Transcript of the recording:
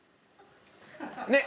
ねっ。